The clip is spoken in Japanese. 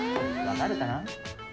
分かるかな？」